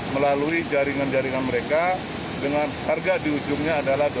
melalui jaringan jaringan mereka dengan harga di ujungnya adalah dua belas lima ratus